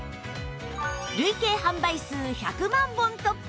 累計販売数１００万本突破！